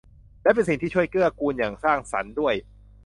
และเป็นสิ่งที่ช่วยเกื้อกูลอย่างสร้างสรรค์ด้วย